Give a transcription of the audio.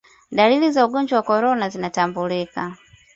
dalili za ugonjwa wa korona zinatambulika